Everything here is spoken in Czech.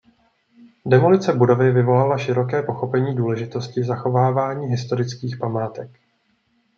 Demolice budovy vyvolala široké pochopení důležitosti zachovávání historických památek.